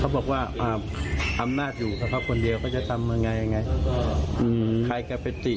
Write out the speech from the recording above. ผ่านหรือขอให้แบบนี้